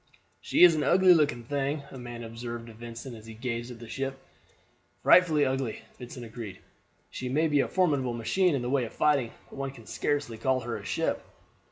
"She is an ugly looking thing," a man observed to Vincent as he gazed at the ship. "Frightfully ugly," Vincent agreed. "She may be a formidable machine in the way of fighting, but one can scarcely call her a ship."